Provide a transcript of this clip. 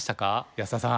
安田さん。